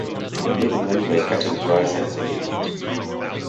He made money by cutting grass and selling it.